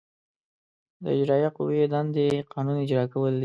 د اجرائیه قوې دندې قانون اجرا کول دي.